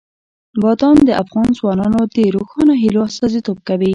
بادام د افغان ځوانانو د روښانه هیلو استازیتوب کوي.